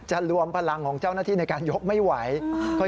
รวมพลังของเจ้าหน้าที่ในการยกไม่ไหว